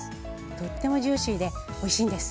とってもジューシーでおいしいんです。